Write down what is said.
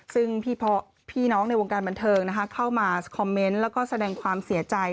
ซึ่งพี่น้องในวงการบันเทิงเข้ามาคอมเมนต์แล้วก็แสดงความเสียใจ